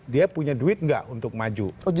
dia punya duit nggak untuk maju